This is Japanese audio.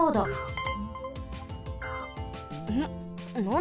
ん？